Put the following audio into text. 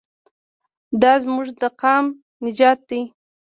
دا زموږ د قام نجات دی.